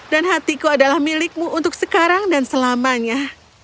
dan hatiku adalah milikmu untuk sekarang dan selamanya